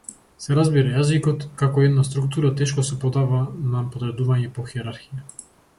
Се разбира, јазикот како една структура тешко се подава на подредување по хиерархија.